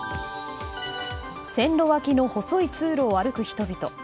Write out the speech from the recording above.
線路脇の細い通路を歩く人々。